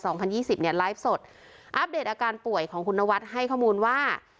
พันยี่สิบเนี่ยไลฟ์สดอัปเดตอาการป่วยของคุณนวัดให้ข้อมูลว่า